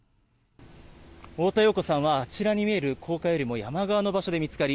太田洋子さんはあちらに見える高架よりも山側の場所で見つかり